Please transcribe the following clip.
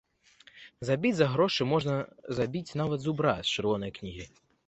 Забіць за грошы можна забіць нават зубра з чырвонай кнігі.